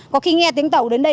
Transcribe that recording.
có khi nghe tiếng tàu đến đây